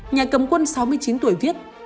nhà cầm quân sáu mươi chín tuổi viết